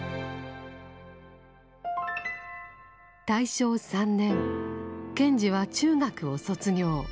大正３年賢治は中学を卒業。